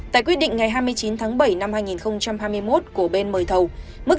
tại quyết định ngày hai mươi chín tháng bảy năm hai nghìn hai mươi một của bên mời thầu